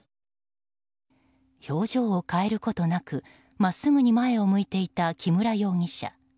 表情を変えることなく真っすぐに前を向いていた木村容疑者。